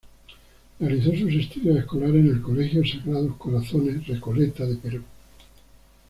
Realizó sus estudios escolares en el Colegio Sagrados Corazones Recoleta de Perú.